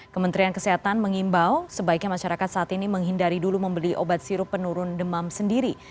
kementerian kesehatan mengimbau sebaiknya masyarakat saat ini menghindari dulu membeli obat sirup penurun demam sendiri